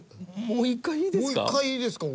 もう一回いいですか？